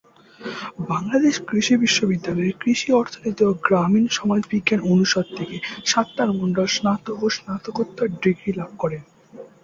বাংলাদেশ কৃষি বিশ্ববিদ্যালয়ের কৃষি অর্থনীতি ও গ্রামীণ সমাজবিজ্ঞান অনুষদ থেকে সাত্তার মণ্ডল স্নাতক ও স্নাতকোত্তর ডিগ্রি লাভ করেন।